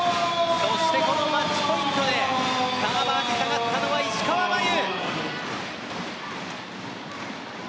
そして、このマッチポイントでサーバーに下がったのは石川真佑。